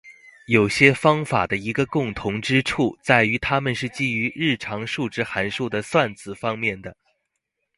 有些方法的一个共同之处在于它们是基于日常数值函数的算子方面的。